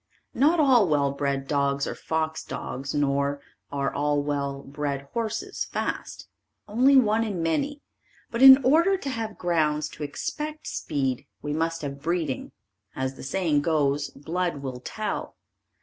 Not all well bred dogs are fox dogs nor are all well bred horses fast. Only one in many. But in order to have grounds to expect speed, we must have breeding, as the saying goes, "Blood will tell."